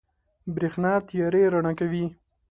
برېښنا تيارې رڼا کوي.